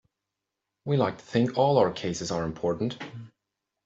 We like to think all our cases are important.